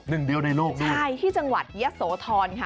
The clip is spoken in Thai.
หนึ่งเดียวในโลกนี่เหรอใช่ที่จังหวัดเยษฐธรณ์ค่ะ